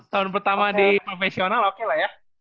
tahun pertama di profesional oke lah ya